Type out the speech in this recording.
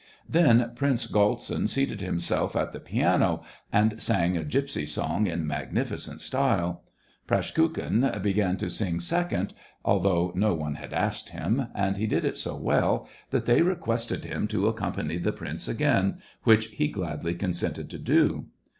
Then Prince Galtsin seated himself at the piano, and sang a gypsy song in magnificent style. Praskukhin began to sing second, although no one had asked him, and he did it so well that they requested him to accompany the prince again, which he gladly consented to do.